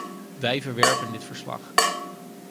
Wij verwerpen dit verslag.